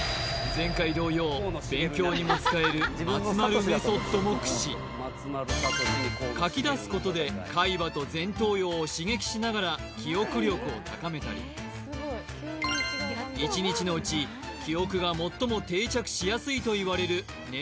前回同様も駆使書き出すことで海馬と前頭葉を刺激しながら記憶力を高めたり１日のうち記憶が最も定着しやすいといわれる寝